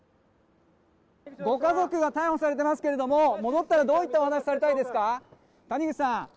ご家族が逮捕されていますけども戻ったらどういったお話をされたいですか？